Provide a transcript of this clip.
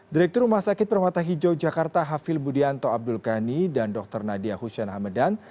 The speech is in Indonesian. direktur rumah sakit permata hijau jakarta hafil budianto abdul ghani dan dr nadia hussein hamedan